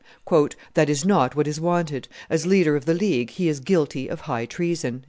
"That is not what is wanted; as leader of the League, he is guilty of high treason."